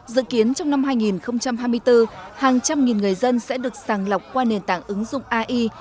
dự kiến trong năm hai nghìn hai mươi bốn hàng trăm nghìn người dân sẽ được sàng lọc qua nền tảng ứng dụng ai